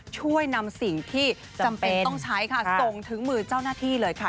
ช่วยนำสิ่งที่จำเป็นต้องใช้ค่ะส่งถึงมือเจ้าหน้าที่เลยค่ะ